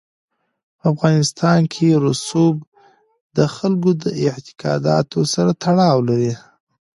په افغانستان کې رسوب د خلکو د اعتقاداتو سره تړاو لري.